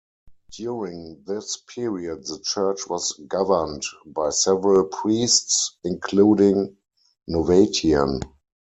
During this period the church was governed by several priests, including Novatian.